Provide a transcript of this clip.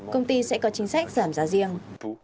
công ty sẽ có chính sách giảm giá riêng